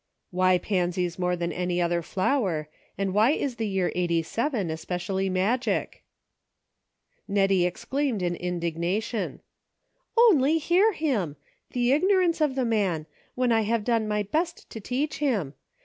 " Why pansies more than any other flower, and v/hy is the year '8y especially magic ?" Nettie exclaimed in indignation :" Only hear him ! The ignorance of the man, when I have done my best to teach him